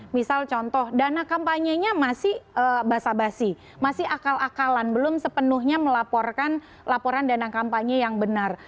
misal contoh dana kampanye nya masih basa basi masih akal akalan belum sepenuhnya melaporkan laporan dana kampanye yang benar